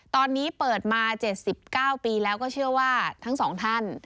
ตอนนี้เปิดมา๗๙ปีแล้วก็เชื่อว่าทั้งสองท่าน